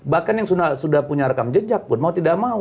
bahkan yang sudah punya rekam jejak pun mau tidak mau